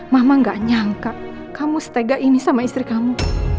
mama gak nyangka kamu setega ini sama istri kamu